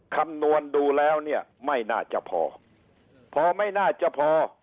คำนวณดูแล้วเนี่ยไม่น่าจะพอพอไม่น่าจะพอ